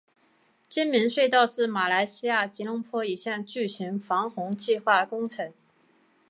精明隧道是马来西亚吉隆坡一项巨型防洪计划工程。